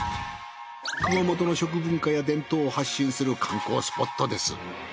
熊本の食文化や伝統を発信する観光スポットです。